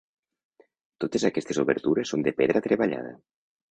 Totes aquestes obertures són de pedra treballada.